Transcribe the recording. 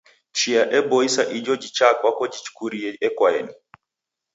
Chia eboisa ijo jichaa kwako jikurie ekoaeni.